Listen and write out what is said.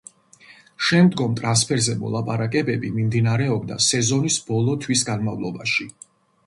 შემდგომ ტრანსფერზე მოლაპარაკებები მიმდინარეობდა სეზონის ბოლო თვის განმავლობაში.